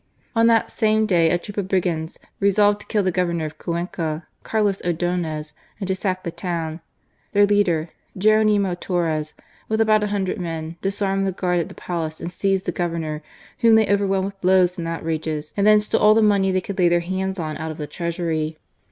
On that same day a troop of brigands resolved to kill the Governor of Cuenca, Carlos Ordonez, and to sack the town. Their leader, Jeronimo Torres, with about a hundred men, disarmed the guard at the palace and seized the Governor, whom they overwhelmed with blows and outrages, and then stole all the money they could lay their hands on out of the Treasury.